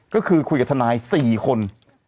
ก็คือคุยกับทนาย๔คน